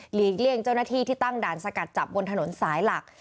กี่ยงเจ้าหน้าที่ที่ตั้งด่านสกัดจับบนถนนสายหลัก